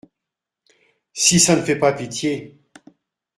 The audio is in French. Si ça ne fait pas pitié !…